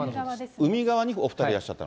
海側にお２人がいらっしゃった？